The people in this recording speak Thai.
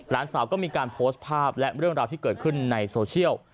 หลานสาวก็มีการโพสต์ภาพและเรื่องราวที่เกิดขึ้นในโซเชียล